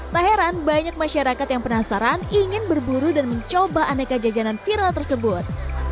tak heran banyak masyarakat yang penasaran ingin berburu dan mencoba aneka jajanan viral tersebut